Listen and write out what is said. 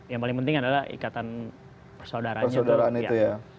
yang paling penting adalah ikatan persaudaraan itu